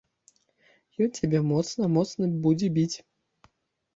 Ён цябе моцна, моцна будзе біць.